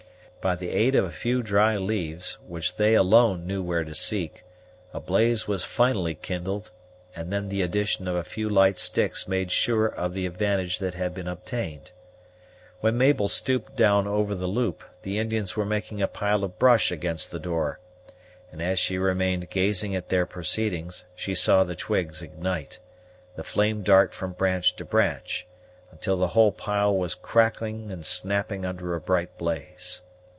By the aid of a few dry leaves, which they alone knew where to seek, a blaze was finally kindled, and then the addition of a few light sticks made sure of the advantage that had been obtained. When Mabel stooped down over the loop, the Indians were making a pile of brush against the door, and as she remained gazing at their proceedings, she saw the twigs ignite, the flame dart from branch to branch, until the whole pile was cracking and snapping under a bright blaze.